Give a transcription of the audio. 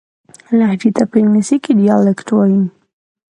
لهجې ته په انګلیسي کښي Dialect وایي.